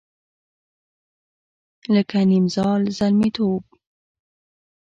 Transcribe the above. لکه نیمزال زلمیتوب